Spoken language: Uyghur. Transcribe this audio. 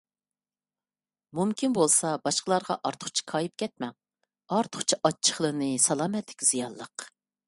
مۇمكىن بولسا باشقىلارغا ئارتۇقچە كايىپ كەتمەڭ. ئارتۇقچە ئاچچىقلىنىش سالامەتلىككە زىيانلىق.